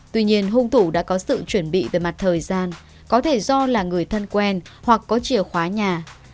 tuy nhiên hung thủ đã có sự chuẩn bị về mặt thời gian có thể do là người thân quen hoặc có chìa khóa nhà